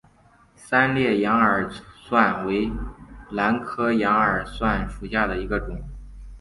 三裂羊耳蒜为兰科羊耳蒜属下的一个种。